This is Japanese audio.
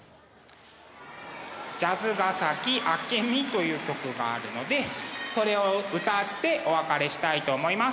「ジャズヶ崎明美」という曲があるのでそれを歌ってお別れしたいと思います。